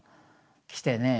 来てね。